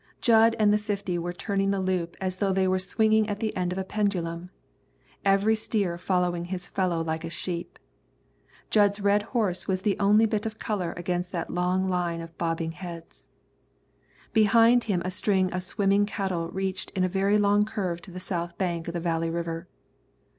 Jud and the fifty were turning the loop as though they were swinging at the end of a pendulum, every steer following his fellow like a sheep. Jud's red horse was the only bit of colour against that long line of black bobbing heads. Behind him a string of swimming cattle reached in a long curve to the south bank of the Valley River.